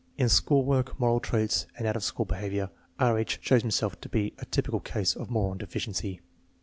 In school work, moral traits, and out of school behavior R. H. shows himself to be a typical case of moron deficiency.